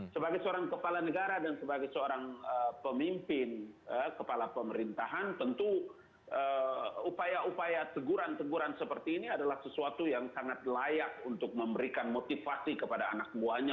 sebagai seorang kepala negara dan sebagai seorang pemimpin kepala pemerintahan tentu upaya upaya teguran teguran seperti ini adalah sesuatu yang sangat layak untuk memberikan motivasi kepada anak buahnya